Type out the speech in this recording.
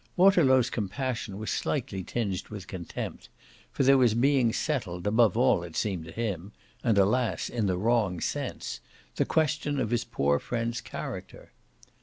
Waterlow's compassion was slightly tinged with contempt, for there was being settled above all, it seemed to him, and, alas, in the wrong sense, the question of his poor friend's character.